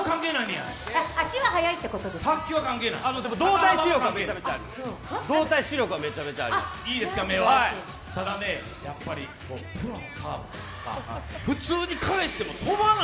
あ、足は速いってことかな。